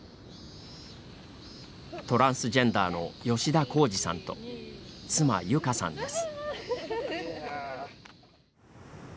トランスジェンダーの吉田孝治さんと妻・由佳さんです。